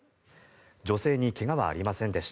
女性に怪我はありませんでした。